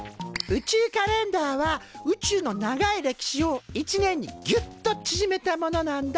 宇宙カレンダーは宇宙の長い歴史を１年にギュッと縮めたものなんだ。